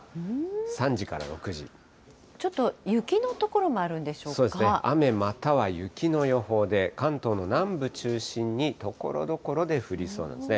ちょっと雪の所もあるんでしそうですね、雨または雪の予報で、関東の南部中心にところどころで降りそうなんですね。